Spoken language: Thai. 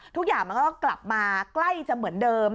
ทุกอย่างมันก็กลับมาใกล้จะเหมือนเดิม